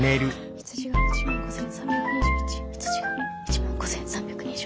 羊が１万５，３２１羊が１万５，３２２。